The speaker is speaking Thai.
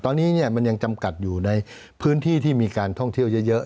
ตอนนี้มันยังจำกัดอยู่ในพื้นที่ที่มีการท่องเที่ยวเยอะ